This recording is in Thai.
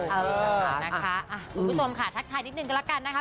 คุณผู้ชมค่ะทักทายนิดนึงกันละกันนะคะ